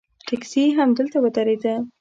ټیکسي همدلته ودرېده.